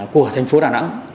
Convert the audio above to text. của thành phố đà nẵng